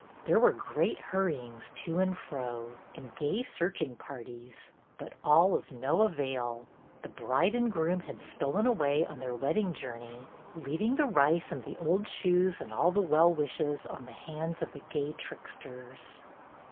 There were great hurryings to and fro, and gay searching parties, but all of no avail. The bride and bridegroom had stolen away on their wedding journey, leaving the rice and the old shoes and all the well wishes on the hands of the gay tricksters.